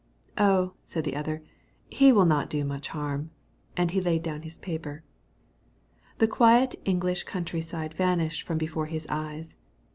"Oh," said the other, "he will not do much harm." And he laid down his paper. The quiet English country side vanished from before his eyes.